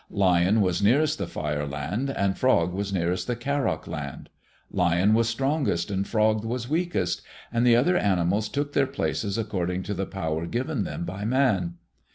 Lion was nearest the Fire Land, and Frog was nearest the Karok land. Lion was strongest and Frog was weakest, and the other animals took their places, according to the power given them by Man.